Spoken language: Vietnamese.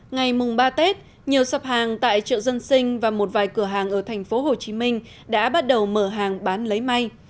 ngày mùng ba tết nhiều sập hàng tại chợ dân sinh và một vài cửa hàng ở thành phố hồ chí minh đã bắt đầu mở hàng bán lấy may